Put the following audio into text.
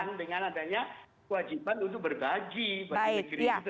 dengan adanya kewajiban untuk berbagi